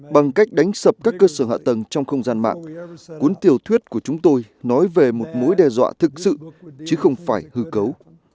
bằng cách đánh sập các cơ sở hạ tầng trong không gian mạng cuốn tiểu thuyết của chúng tôi nói về một mối đe dọa thực sự chứ không phải hư cấu